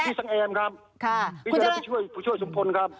พี่เจเนจนท่านประชวรไปช่วยสุมพลครับ